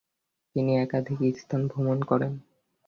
তিনি একাধিক স্থান ভ্রমণ করেন।